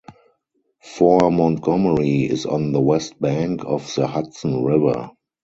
Fort Montgomery is on the west bank of the Hudson River.